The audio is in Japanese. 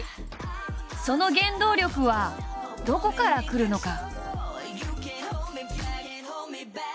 その原動力はどこからくるのか。